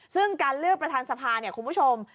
ซึ่งการเลือกประธานสภาเนี่ยคุณผู้ชม